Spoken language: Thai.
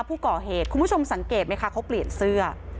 ผู้ก่อเหตุคุณผู้ชมสังเกตไหมคะเขาเปลี่ยนเสื้อ